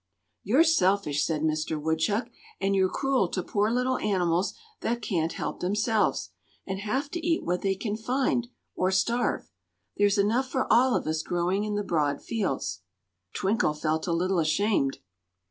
"You're selfish," said Mister Woodchuck, "and you're cruel to poor little animals that can't help themselves, and have to eat what they can find, or starve. There's enough for all of us growing in the broad fields." Twinkle felt a little ashamed.